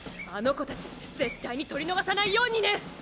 あの子たち絶対に取り逃さないようにね！